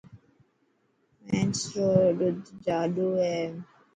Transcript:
مينس رو ڏوڌ جاڏو هي .